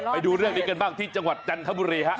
ไปดูเรื่องนี้กันบ้างที่จังหวัดจันทบุรีฮะ